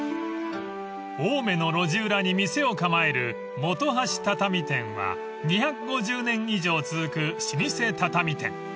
［青梅の路地裏に店を構えるもとはし畳店は２５０年以上続く老舗畳店］